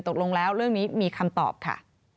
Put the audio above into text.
ตกลงแล้วเรื่องนี้มีคำตอบค่ะ